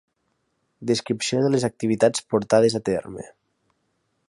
Descripció de les activitats portades a terme.